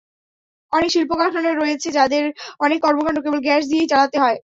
অনেক শিল্পকারখানা রয়েছে, যাদের অনেক কর্মকাণ্ড কেবল গ্যাস দিয়েই চালাতে হয়।